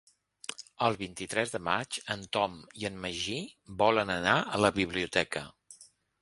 El vint-i-tres de maig en Tom i en Magí volen anar a la biblioteca.